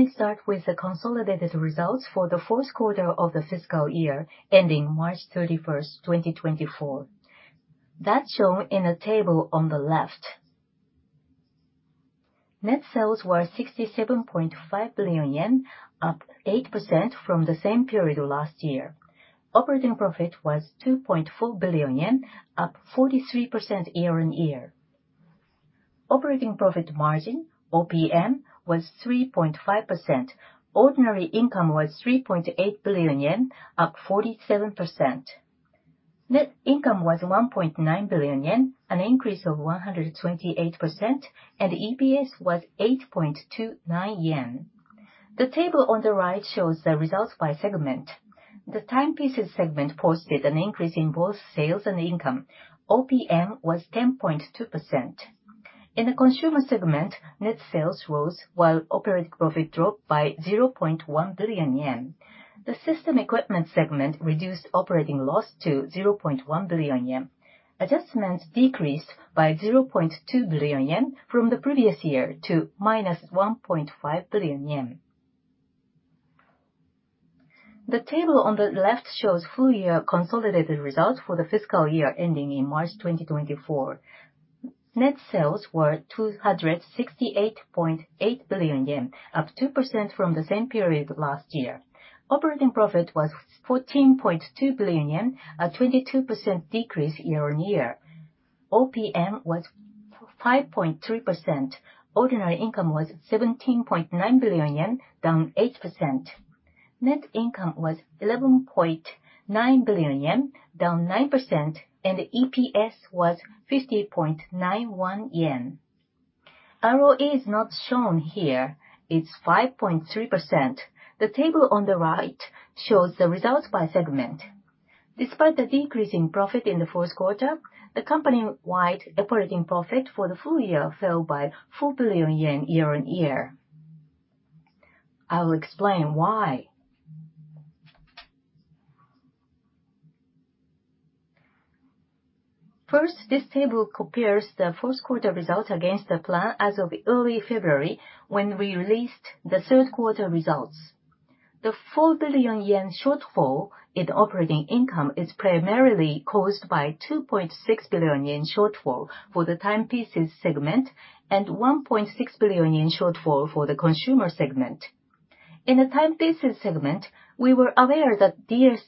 Let me start with the consolidated results for the fourth quarter of the fiscal year ending March 31, 2024. That's shown in a table on the left. Net sales were 67.5 billion yen, up 8% from the same period last year. Operating profit was 2.4 billion yen, up 43% year-on-year. Operating profit margin (OPM) was 3.5%. Ordinary income was 3.8 billion yen, up 47%. Net income was 1.9 billion yen, an increase of 128%, and EPS was 8.29 yen. The table on the right shows the results by segment. The timepieces segment posted an increase in both sales and income. OPM was 10.2%. In the consumer segment, net sales rose while operating profit dropped by 0.1 billion yen. The system equipment segment reduced operating loss to 0.1 billion yen. Adjustments decreased by 0.2 billion yen from the previous year to -1.5 billion yen. The table on the left shows full-year consolidated results for the fiscal year ending in March 2024. Net sales were 268.8 billion yen, up 2% from the same period last year. Operating profit was 14.2 billion yen, a 22% decrease year-on-year. OPM was 5.3%. Ordinary income was 17.9 billion yen, down 8%. Net income was 11.9 billion yen, down 9%, and EPS was 50.91 yen. ROE is not shown here. It's 5.3%. The table on the right shows the results by segment. Despite the decrease in profit in the fourth quarter, the company-wide operating profit for the full year fell by 4 billion yen year-on-year. I will explain why. First, this table compares the fourth quarter results against the plan as of early February when we released the third quarter results. The 4 billion yen shortfall in operating income is primarily caused by a 2.6 billion yen shortfall for the timepieces segment and a 1.6 billion yen shortfall for the consumer segment. In the timepieces segment, we were aware of the dire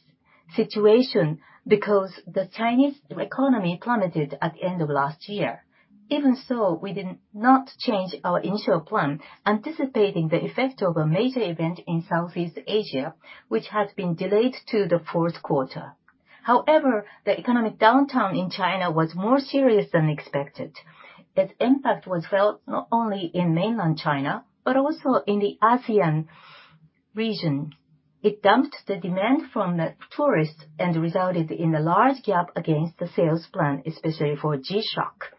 situation because the Chinese economy plummeted at the end of last year. Even so, we did not change our initial plan, anticipating the effect of a major event in Southeast Asia, which had been delayed to the fourth quarter. However, the economic downturn in China was more serious than expected. Its impact was felt not only in mainland China but also in the ASEAN region. It dampened the demand from tourists and resulted in a large gap against the sales plan, especially for G-SHOCK.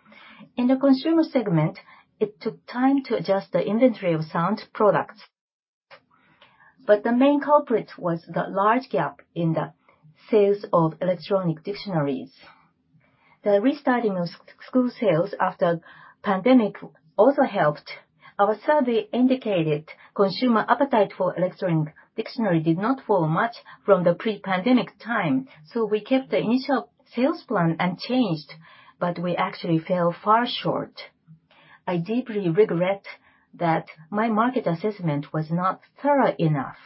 In the consumer segment, it took time to adjust the inventory of sound products. But the main culprit was the large gap in the sales of electronic dictionaries. The restarting of school sales after the pandemic also helped. Our survey indicated consumer appetite for electronic dictionaries did not fall much from the pre-pandemic time, so we kept the initial sales plan and changed, but we actually fell far short. I deeply regret that my market assessment was not thorough enough.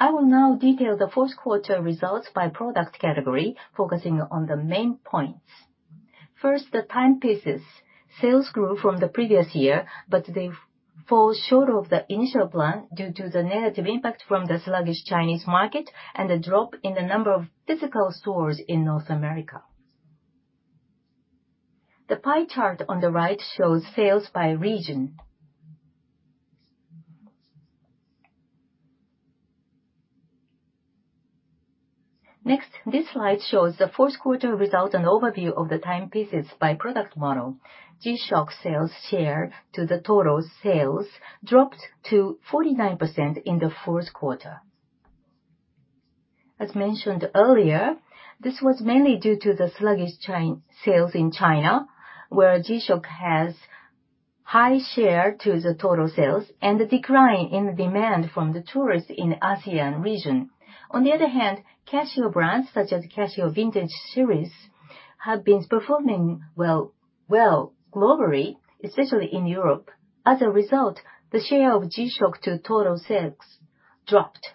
I will now detail the fourth quarter results by product category, focusing on the main points. First, the timepieces. Sales grew from the previous year, but they fell short of the initial plan due to the negative impact from the sluggish Chinese market and the drop in the number of physical stores in North America. The pie chart on the right shows sales by region. Next, this slide shows the fourth quarter results, an overview of the timepieces by product model. G-SHOCK's sales share to the total sales dropped to 49% in the fourth quarter. As mentioned earlier, this was mainly due to the sluggish sales in China, where G-SHOCK has a high share to the total sales, and a decline in the demand from tourists in the ASEAN region. On the other hand, Casio brands such as Casio Vintage Series have been performing well globally, especially in Europe. As a result, the share of G-SHOCK to total sales dropped.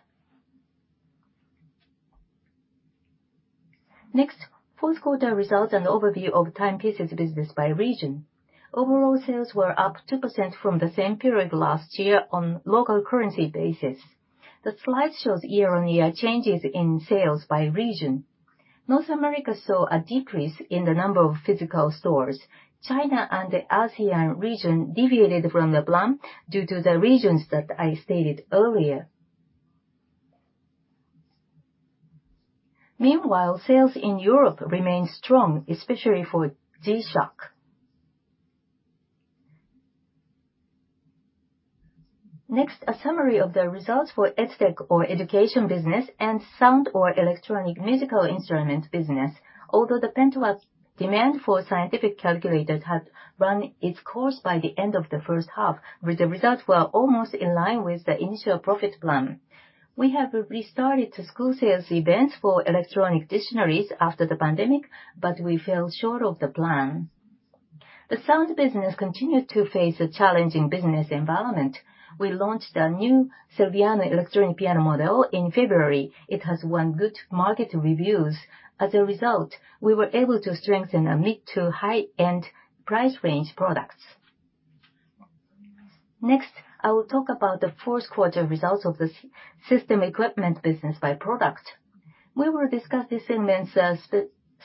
Next, fourth quarter results: an overview of timepieces business by region. Overall sales were up 2% from the same period last year on local currency basis. The slide shows year-on-year changes in sales by region. North America saw a decrease in the number of physical stores. China and the ASEAN region deviated from the plan due to the regions that I stated earlier. Meanwhile, sales in Europe remained strong, especially for G-SHOCK. Next, a summary of the results for EdTech or education business and Sound business or electronic musical instrument business. Although the pent-up demand for scientific calculators had run its course by the end of the first half, the results were almost in line with the initial profit plan. We have restarted school sales events for electronic dictionaries after the pandemic, but we fell short of the plan. The Sound business continued to face a challenging business environment. We launched a new CELVIANO electronic piano model in February. It has won good market reviews. As a result, we were able to strengthen a mid- to high-end price range products. Next, I will talk about the fourth quarter results of the system equipment business by product. We will discuss this segment's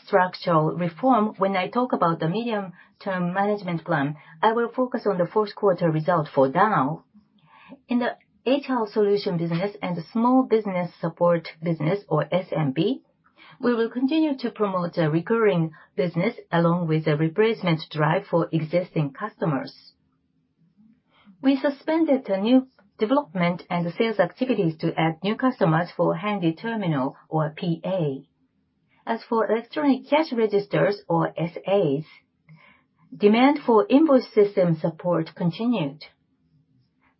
structural reform when I talk about the medium-term management plan. I will focus on the fourth quarter result for SA. In the HR solution business and small business support business (or SMB), we will continue to promote recurring business along with a replacement drive for existing customers. We suspended new development and sales activities to add new customers for handheld terminal (or PA). As for electronic cash registers (or SAs), demand for invoice system support continued.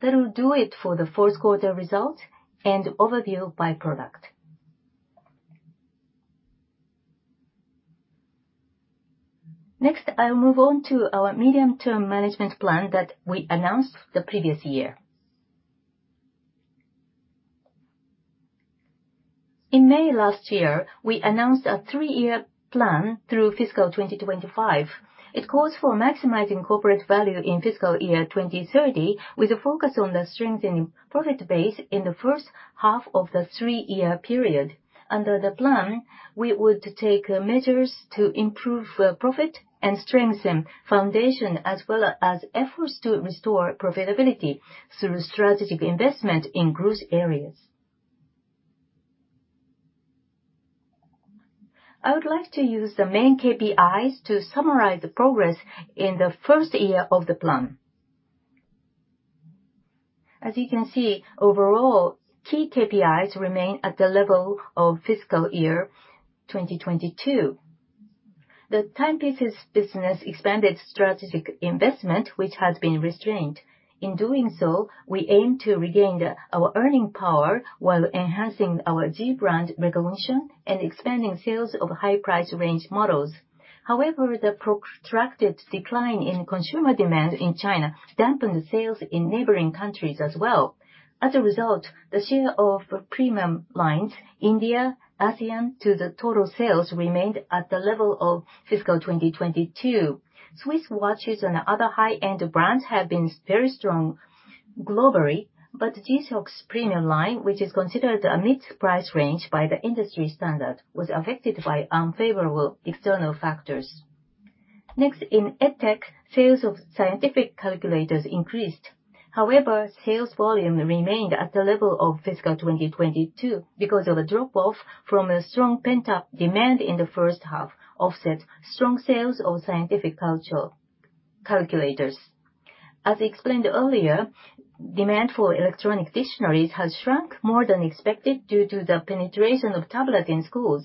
That will do it for the fourth quarter result and overview by product. Next, I will move on to our medium-term management plan that we announced the previous year. In May last year, we announced a three-year plan through fiscal 2025. It calls for maximizing corporate value in fiscal year 2030 with a focus on strengthening profit base in the first half of the three-year period. Under the plan, we would take measures to improve profit and strengthen foundation as well as efforts to restore profitability through strategic investment in growth areas. I would like to use the main KPIs to summarize the progress in the first year of the plan. As you can see, overall, key KPIs remain at the level of fiscal year 2022. The timepieces business expanded strategic investment, which had been restrained. In doing so, we aimed to regain our earning power while enhancing our G Brand recognition and expanding sales of high-price range models. However, the protracted decline in consumer demand in China dampened sales in neighboring countries as well. As a result, the share of premium lines India-ASEAN to the total sales remained at the level of fiscal 2022. Swiss watches and other high-end brands have been very strong globally, but G-SHOCK's premium line, which is considered a mid-price range by the industry standard, was affected by unfavorable external factors. Next, in EdTech, sales of scientific calculators increased. However, sales volume remained at the level of fiscal 2022 because of a drop-off from strong pent-up demand in the first half offset strong sales of scientific calculators. As explained earlier, demand for electronic dictionaries has shrunk more than expected due to the penetration of tablets in schools.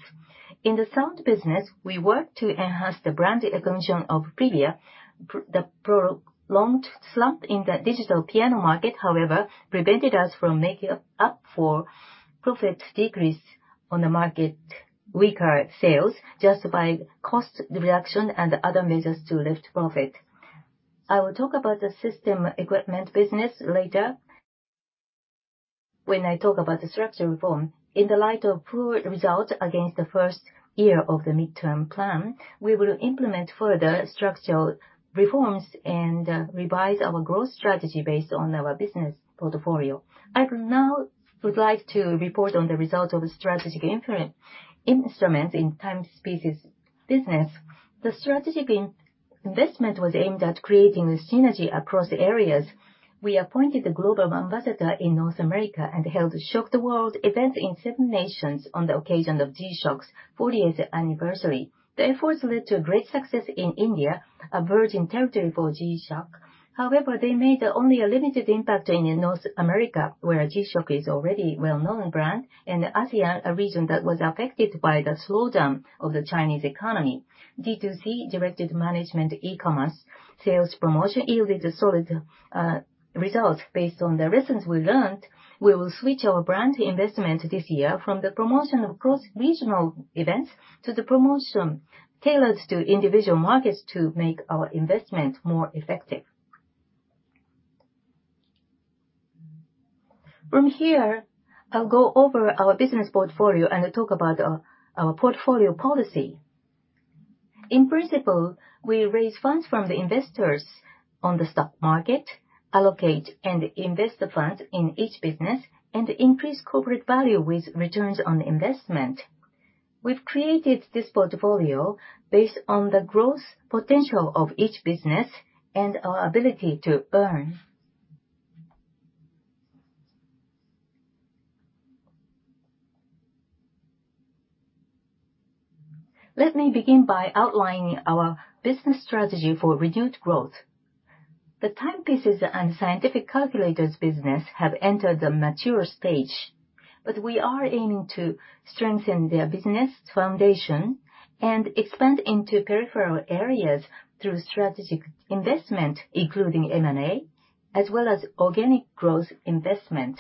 In the Sound business, we worked to enhance the brand recognition of Privia. The prolonged slump in the digital piano market, however, prevented us from making up for profit decrease on the market weaker sales justified cost reduction and other measures to lift profit. I will talk about the system equipment business later. When I talk about the structural reform, in the light of poor results against the first year of the mid-term plan, we will implement further structural reforms and revise our growth strategy based on our business portfolio. I now would like to report on the results of the strategic instruments in timepieces business. The strategic investment was aimed at creating synergy across areas. We appointed a global ambassador in North America and held Shock the World events in seven nations on the occasion of G-SHOCK's 40th anniversary. The efforts led to great success in India, a virgin territory for G-SHOCK. However, they made only a limited impact in North America, where G-SHOCK is already a well-known brand, and ASEAN, a region that was affected by the slowdown of the Chinese economy. D2C (direct-to-consumer e-commerce) sales promotion yielded solid results based on the lessons we learned. We will switch our brand investment this year from the promotion of cross-regional events to the promotion tailored to individual markets to make our investment more effective. From here, I will go over our business portfolio and talk about our portfolio policy. In principle, we raise funds from the investors on the stock market, allocate and invest funds in each business, and increase corporate value with returns on investment. We have created this portfolio based on the growth potential of each business and our ability to earn. Let me begin by outlining our business strategy for reduced growth. The timepieces and scientific calculators business have entered a mature stage. We are aiming to strengthen their business foundation and expand into peripheral areas through strategic investment, including M&A, as well as organic growth investment.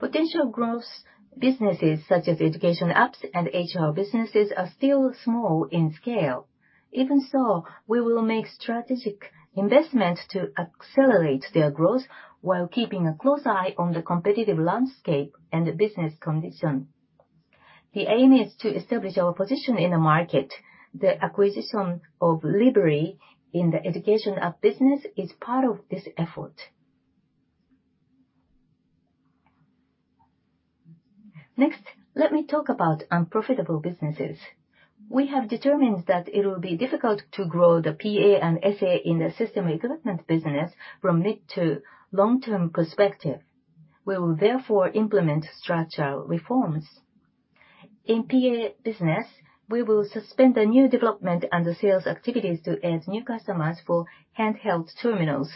Potential growth businesses such as education apps and HR businesses are still small in scale. Even so, we will make strategic investment to accelerate their growth while keeping a close eye on the competitive landscape and business condition. The aim is to establish our position in the market. The acquisition of Libry in the education app business is part of this effort. Next, let me talk about unprofitable businesses. We have determined that it will be difficult to grow the PA and SA in the system equipment business from mid- to long-term perspective. We will therefore implement structural reforms. In PA business, we will suspend the new development and the sales activities to add new customers for handheld terminals.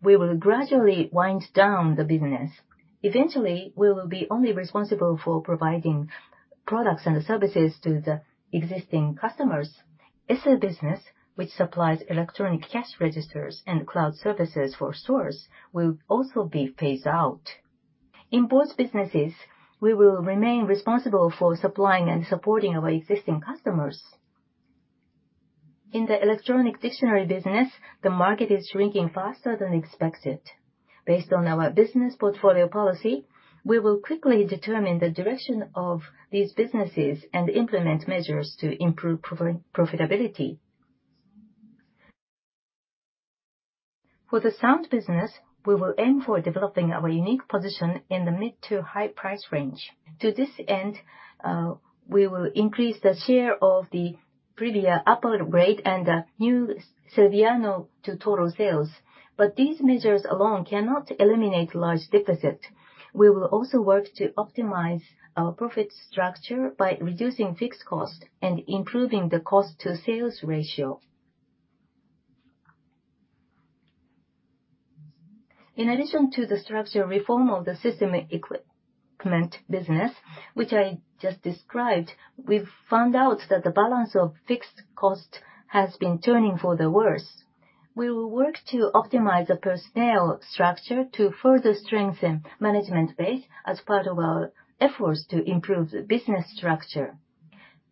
We will gradually wind down the business. Eventually, we will be only responsible for providing products and services to the existing customers. SA business, which supplies electronic cash registers and cloud services for stores, will also be phased out. In both businesses, we will remain responsible for supplying and supporting our existing customers. In the electronic dictionary business, the market is shrinking faster than expected. Based on our business portfolio policy, we will quickly determine the direction of these businesses and implement measures to improve profitability. For the Sound business, we will aim for developing our unique position in the mid to high-price range. To this end, we will increase the share of the Privia Upper Grade and the new CELVIANO to total sales. But these measures alone cannot eliminate large deficits. We will also work to optimize our profit structure by reducing fixed costs and improving the cost-to-sales ratio. In addition to the structural reform of the system equipment business, which I just described, we have found out that the balance of fixed costs has been turning for the worse. We will work to optimize the personnel structure to further strengthen management base as part of our efforts to improve the business structure.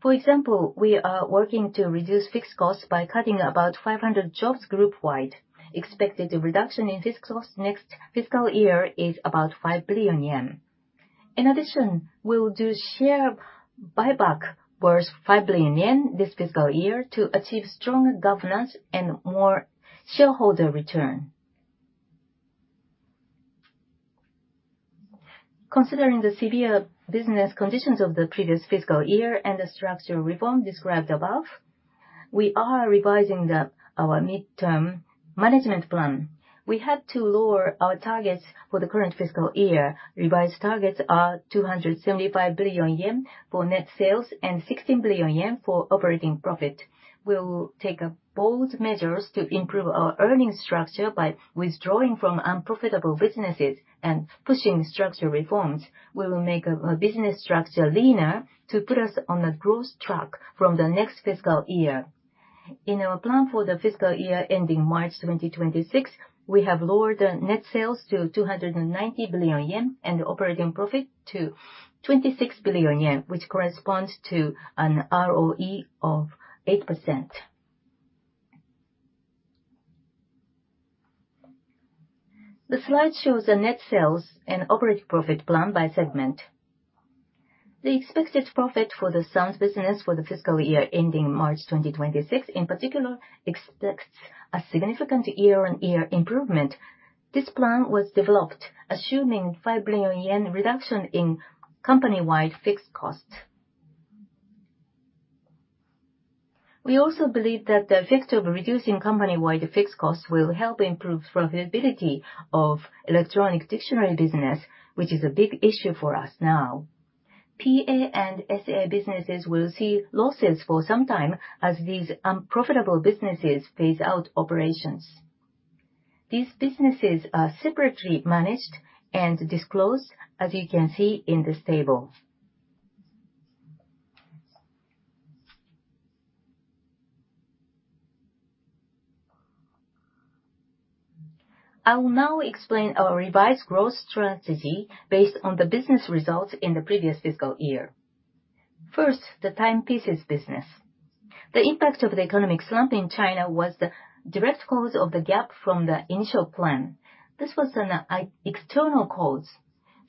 For example, we are working to reduce fixed costs by cutting about 500 jobs group-wide. Expected reduction in fixed costs next fiscal year is about 5 billion yen. In addition, we will do share buyback worth 5 billion yen this fiscal year to achieve stronger governance and more shareholder return. Considering the severe business conditions of the previous fiscal year and the structural reform described above, we are revising our mid-term management plan. We had to lower our targets for the current fiscal year. Revised targets are 275 billion yen for net sales and 16 billion yen for operating profit. We will take bold measures to improve our earnings structure by withdrawing from unprofitable businesses and pushing structural reforms. We will make our business structure leaner to put us on the growth track from the next fiscal year. In our plan for the fiscal year ending March 2026, we have lowered net sales to 290 billion yen and operating profit to 26 billion yen, which corresponds to an ROE of 8%. The slide shows a net sales and operating profit plan by segment. The expected profit for the Sound business for the fiscal year ending March 2026, in particular, expects a significant year-on-year improvement. This plan was developed assuming 5 billion yen reduction in company-wide fixed costs. We also believe that the effect of reducing company-wide fixed costs will help improve profitability of the electronic dictionary business, which is a big issue for us now. PA and SA businesses will see losses for some time as these unprofitable businesses phase out operations. These businesses are separately managed and disclosed, as you can see in this table. I will now explain our revised growth strategy based on the business results in the previous fiscal year. First, the timepieces business. The impact of the economic slump in China was the direct cause of the gap from the initial plan. This was an external cause.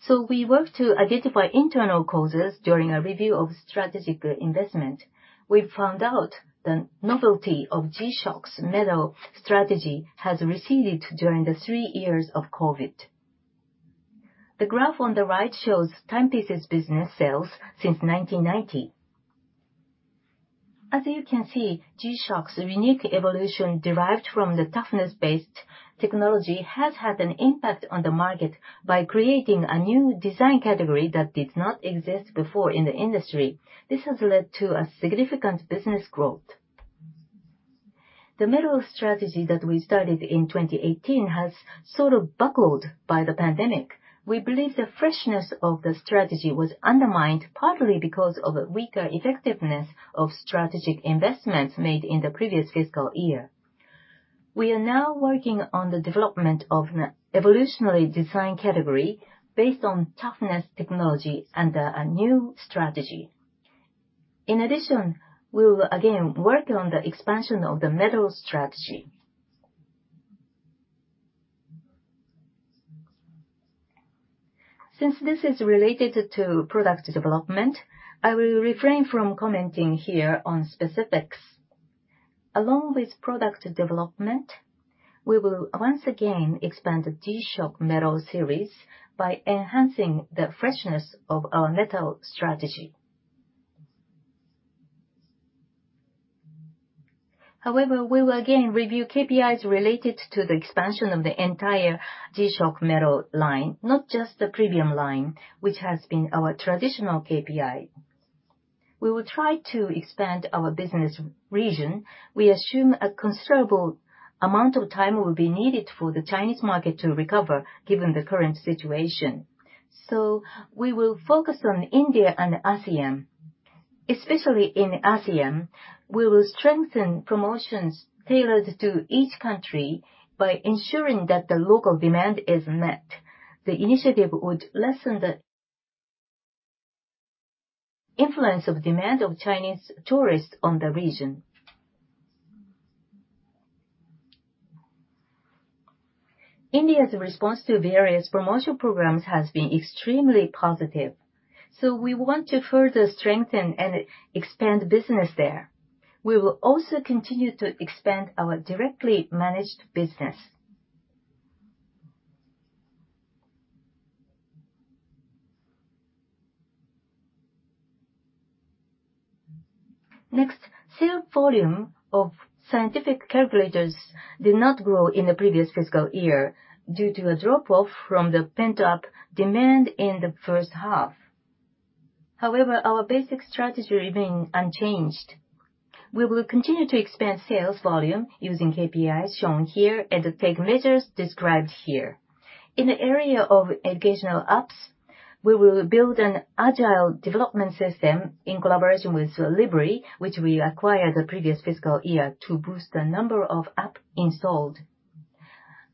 So we worked to identify internal causes during a review of strategic investment. We found out the novelty of G-SHOCK's metal strategy has receded during the three years of COVID. The graph on the right shows timepieces business sales since 1990. As you can see, G-SHOCK's unique evolution derived from the toughness-based technology has had an impact on the market by creating a new design category that did not exist before in the industry. This has led to significant business growth. The metal strategy that we started in 2018 has sort of buckled by the pandemic. We believe the freshness of the strategy was undermined partly because of weaker effectiveness of strategic investments made in the previous fiscal year. We are now working on the development of an evolutionary design category based on toughness technology under a new strategy. In addition, we will again work on the expansion of the metal strategy. Since this is related to product development, I will refrain from commenting here on specifics. Along with product development, we will once again expand the G-SHOCK metal series by enhancing the freshness of our metal strategy. However, we will again review KPIs related to the expansion of the entire G-SHOCK metal line, not just the premium line, which has been our traditional KPI. We will try to expand our business region. We assume a considerable amount of time will be needed for the Chinese market to recover given the current situation. So we will focus on India and ASEAN. Especially in ASEAN, we will strengthen promotions tailored to each country by ensuring that the local demand is met. The initiative would lessen the influence of demand of Chinese tourists on the region. India's response to various promotional programs has been extremely positive. So we want to further strengthen and expand business there. We will also continue to expand our directly managed business. Next, sales volume of scientific calculators did not grow in the previous fiscal year due to a drop-off from the pent-up demand in the first half. However, our basic strategy remained unchanged. We will continue to expand sales volume using KPIs shown here and take measures described here. In the area of educational apps, we will build an agile development system in collaboration with Libry (which we acquired the previous fiscal year to boost the number of apps installed).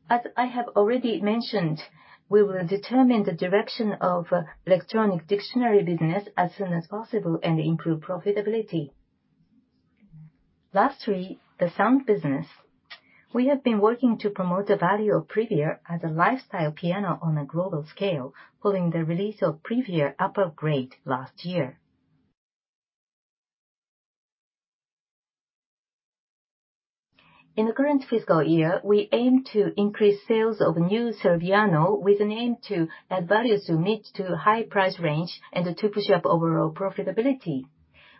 As I have already mentioned, we will determine the direction of electronic dictionary business as soon as possible and improve profitability. Lastly, the sound business. We have been working to promote the value of Privia as a lifestyle piano on a global scale, following the release of Privia Upper Grade last year. In the current fiscal year, we aim to increase sales of new CELVIANO with an aim to add value to the mid to high-price range and to push up overall profitability.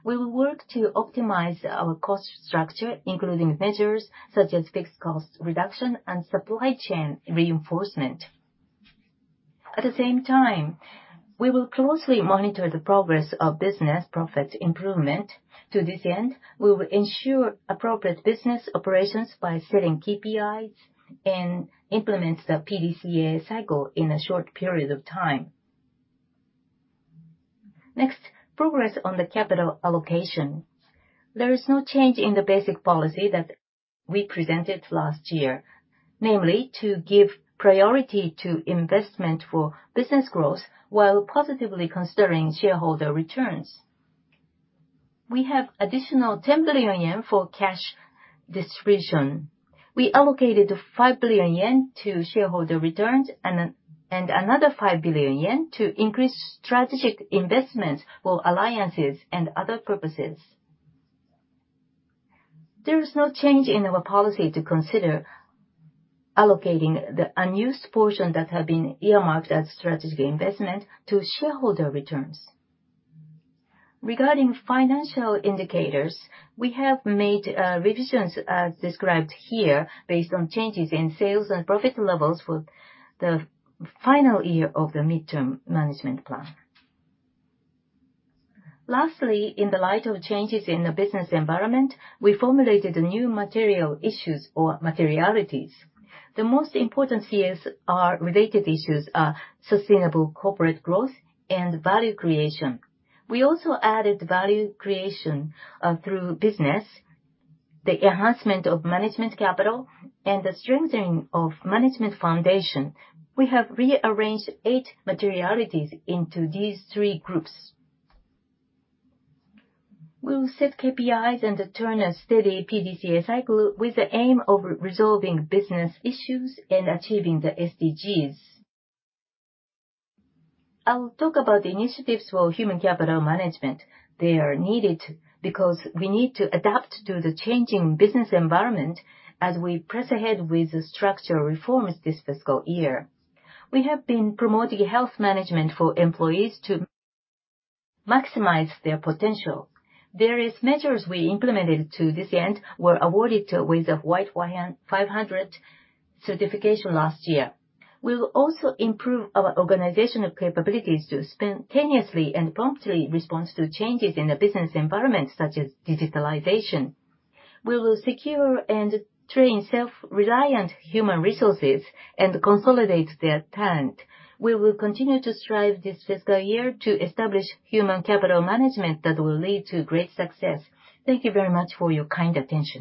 We will work to optimize our cost structure, including measures such as fixed cost reduction and supply chain reinforcement. At the same time, we will closely monitor the progress of business profit improvement. To this end, we will ensure appropriate business operations by setting KPIs and implement the PDCA cycle in a short period of time. Next, progress on the capital allocation. There is no change in the basic policy that we presented last year, namely to give priority to investment for business growth while positively considering shareholder returns. We have additional 10 billion yen for cash distribution. We allocated 5 billion yen to shareholder returns and another 5 billion yen to increase strategic investments for alliances and other purposes. There is no change in our policy to consider allocating the unused portion that has been earmarked as strategic investment to shareholder returns. Regarding financial indicators, we have made revisions as described here based on changes in sales and profit levels for the final year of the mid-term management plan. Lastly, in the light of changes in the business environment, we formulated new material issues or materialities. The most important related issues are sustainable corporate growth and value creation. We also added value creation through business, the enhancement of management capital, and the strengthening of management foundation. We have rearranged eight materialities into these three groups. We will set KPIs and turn a steady PDCA cycle with the aim of resolving business issues and achieving the SDGs. I will talk about the initiatives for human capital management. They are needed because we need to adapt to the changing business environment as we press ahead with structural reforms this fiscal year. We have been promoting health management for employees to maximize their potential. Various measures we implemented to this end were awarded with a White 500 certification last year. We will also improve our organizational capabilities to spontaneously and promptly respond to changes in the business environment such as digitalization. We will secure and train self-reliant human resources and consolidate their talent. We will continue to strive this fiscal year to establish human capital management that will lead to great success. Thank you very much for your kind attention.